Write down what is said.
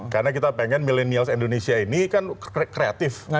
karena kita pengen milenial indonesia ini kan kreatif